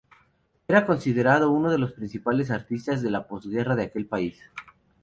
Era considerado uno de los principales artistas de la posguerra de aquel país.